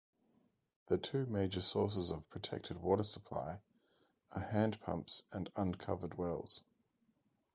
The two major sources of protected water supply are hand pumps and uncovered wells.